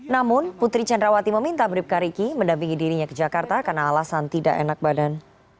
namun putri candrawati meminta bribka riki mendampingi dirinya ke jakarta karena alasan tidak enak badan